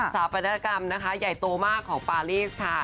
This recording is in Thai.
สาปนกรรมนะคะใหญ่โตมากของปารีสค่ะ